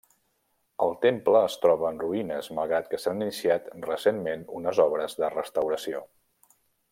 El temple es troba en ruïnes malgrat que s'han iniciat recentment unes obres de restauració.